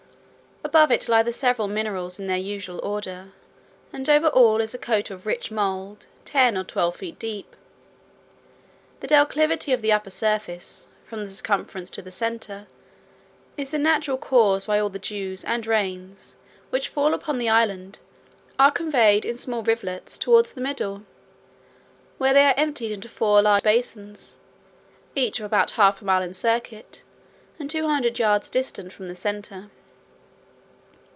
Above it lie the several minerals in their usual order, and over all is a coat of rich mould, ten or twelve feet deep. The declivity of the upper surface, from the circumference to the centre, is the natural cause why all the dews and rains, which fall upon the island, are conveyed in small rivulets toward the middle, where they are emptied into four large basins, each of about half a mile in circuit, and two hundred yards distant from the centre.